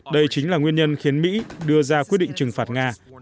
đây chính là nguyên nhân khiến mỹ đưa ra quyết định trừng phạt nga